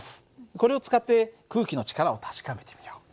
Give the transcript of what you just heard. これを使って空気の力を確かめてみよう。